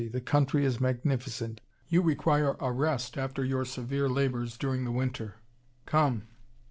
The country is magnificent; you require a rest after your severe labors during the winter come!